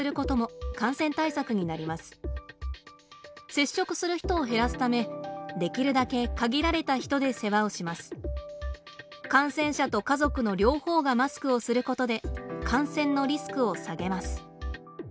接触する人を減らすためできるだけ感染者と家族の両方がマスクをすることで感染のリスクを下げます。